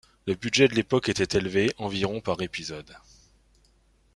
Le budget de l'époque était élevé, environ par épisode.